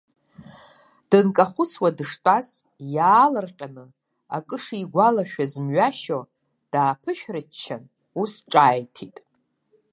Дынкахәыцуа дыштәаз, иаалырҟьаны, акы шигәалашәаз мҩашьо, дааԥышәырччан, ус ҿааҭит.